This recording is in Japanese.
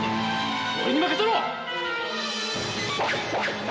俺に任せろ！